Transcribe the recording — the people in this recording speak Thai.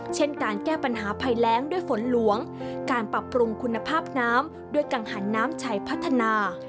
เช่นการแก้ปัญหาภัยแรงด้วยฝนหลวงการปรับปรุงคุณภาพน้ำด้วยกังหันน้ำชัยพัฒนา